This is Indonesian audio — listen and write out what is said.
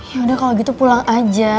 yaudah kalau gitu pulang aja